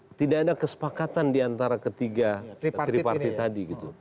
itu tidak ada kesepakatan di antara ketiga triparty tadi